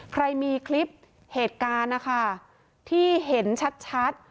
ใครมีคลิปเหตุการณ์นะคะที่เห็นชัด